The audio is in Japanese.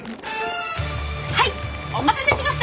はいお待たせしました！